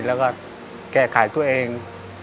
แล้วก็แก่ขายตัวเอง